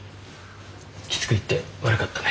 きつく言って悪かったね。